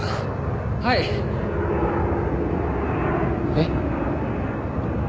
えっ？